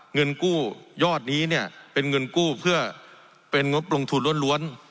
เงินกู้ยอดนี้เนี่ยเป็นเงินกู้เพื่อเป็นงบลงทุนล้วน